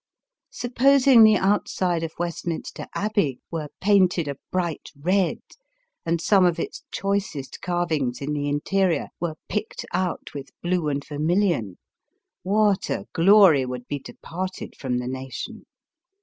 Supposing the outside of Westminster Abbey were painted a bright red and some of its choicest carvings in the interior were picked out with blue and ver milion, what a glory would be departed from the nation